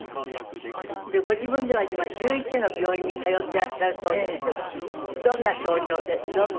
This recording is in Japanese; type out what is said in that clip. ご自分では今１１の病院に通ってらっしゃるそうですけどどんな症状でどんな？